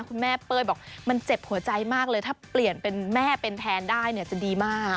เป้ยบอกมันเจ็บหัวใจมากเลยถ้าเปลี่ยนเป็นแม่เป็นแทนได้เนี่ยจะดีมาก